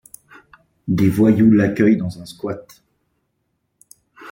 Des voyous l’accueillent dans un squat.